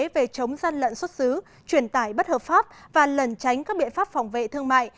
về chống gian lận xuất xứ truyền tải bất hợp pháp và lần tránh các biện pháp phòng vệ thương mại